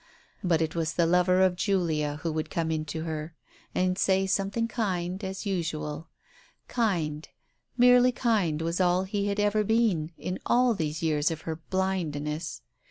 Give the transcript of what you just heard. But it was the lover of Julia who would come in to her and say something kind, as usual. Kind — merely kind was all he had ever been, in all these years of her blindness.